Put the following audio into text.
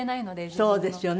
そうですよね。